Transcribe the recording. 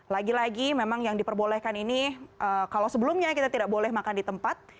lagi lagi memang yang diperbolehkan ini kalau sebelumnya kita tidak boleh makan di tempat